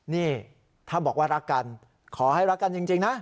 นี่ถ้าบอกว่ารักกันขอให้รักกันจริงนะ